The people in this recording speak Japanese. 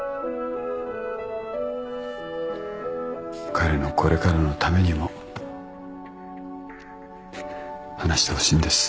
彼のこれからのためにも話してほしいんです。